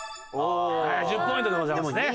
１０ポイントでございますね。